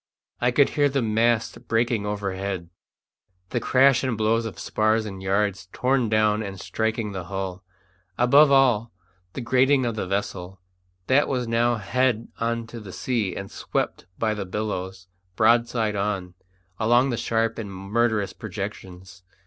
I could hear the masts breaking overhead the crash and blows of spars and yards torn down and striking the hull; above all the grating of the vessel, that was now head on to the sea and swept by the billows, broadside on, along the sharp and murderous projections.